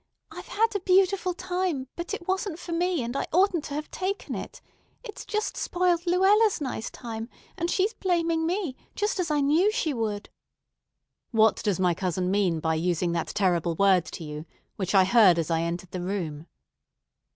I've had a beautiful time; but it wasn't for me, and I oughtn't to have taken it. It's just spoiled Luella's nice time, and she's blaming me, just as I knew she would." "What does my cousin mean by using that terrible word to you, which I heard as I entered the room?"